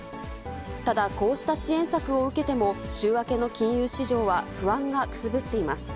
ただ、こうした支援策を受けても、週明けの金融市場は不安がくすぶっています。